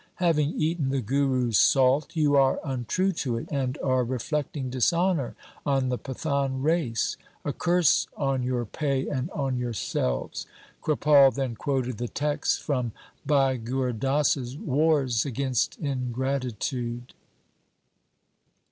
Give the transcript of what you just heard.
Having eaten the Guru's salt you are untrue to it, and are reflecting dishonour on the Pathan race. A curse on your pay and on yourselves !' Kripal then quoted the texts from Bhai Gur Das's Wars against ingratitude.